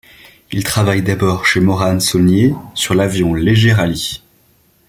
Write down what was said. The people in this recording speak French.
Il travaille d'abord chez Morane-Saulnier, sur l'avion léger Rallye.